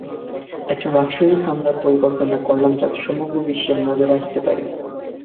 একটা রাসায়নিক হামলার পরিকল্পনা করলাম যাতে সমগ্র বিশ্বের নজরে আসতে পারি।